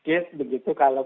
tse begitu kalau